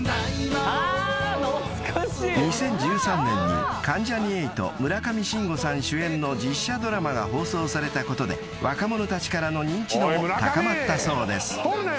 ［２０１３年に関ジャニ∞村上信五さん主演の実写ドラマが放送されたことで若者たちからの認知度も高まったそうです］